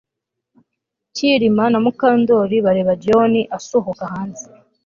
Kirima na Mukandoli bareba John asohoka hanze